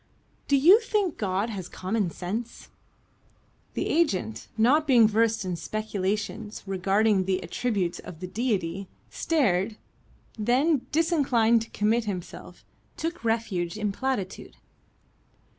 "Do you think God has got common sense?" The agent, not being versed in speculations regarding the attributes of the Deity, stared; then, disinclined to commit himself, took refuge in platitude.